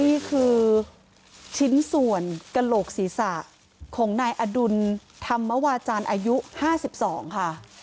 นี่คือชิ้นส่วนกระโหลกศีรษะของนายอดุลธรรมวาจารย์อายุ๕๒ค่ะ